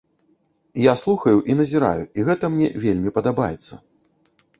Я слухаю і назіраю, і гэта мне вельмі падабаецца.